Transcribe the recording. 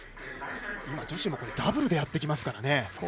女子も、これをダブルでやってきますからね。